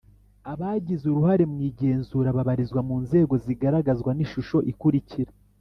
Abagize uruhare mu igenzura babarizwa mu nzego zigaragazwa n ishusho ikurikira